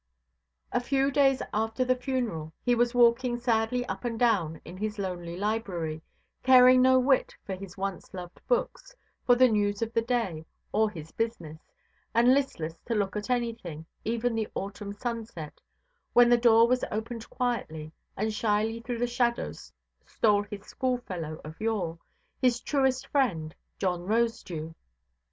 A few days after the funeral he was walking sadly up and down in his lonely library, caring no whit for his once–loved books, for the news of the day, or his business, and listless to look at anything, even the autumn sunset; when the door was opened quietly, and shyly through the shadows stole his schoolfellow of yore, his truest friend, John Rosedew.